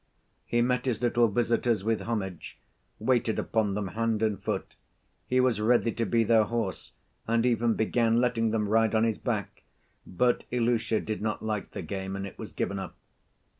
He met his little visitors with homage, waited upon them hand and foot; he was ready to be their horse and even began letting them ride on his back, but Ilusha did not like the game and it was given up.